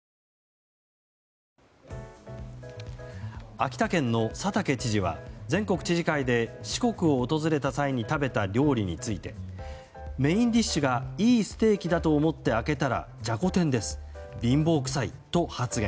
秋田県の佐竹知事は全国知事会で四国を訪れた際に食べた料理についてメインディッシュがいいステーキだと思って開けたらじゃこ天です貧乏くさいと発言。